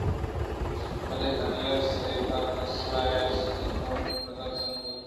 بلے لائی سِیپ پس (Lysippus) ءِ اِیسُپ ءِ جوڑ کتگیں سنگ ءِ بُت